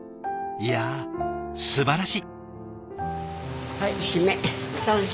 いやすばらしい。